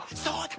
そう。